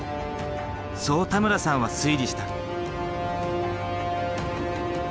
そう田村さんは推理した。